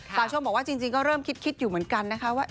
สาวชมบอกว่าจริงก็เริ่มคิดอยู่เหมือนกันนะคะว่า